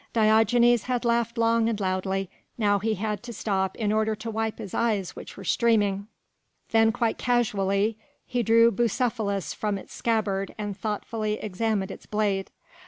Diogenes had laughed long and loudly, now he had to stop in order to wipe his eyes which were streaming; then quite casually he drew Bucephalus from its scabbard and thoughtfully examined its blade.